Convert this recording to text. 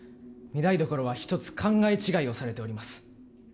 御台所は一つ考え違いをされております。